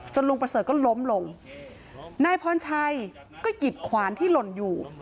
ลุงประเสริฐก็ล้มลงนายพรชัยก็หยิบขวานที่หล่นอยู่